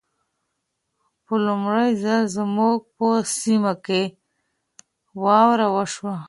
په لمړي ځل زموږ په سيمه کې واوره وشوه.